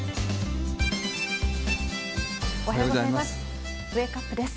おはようございます。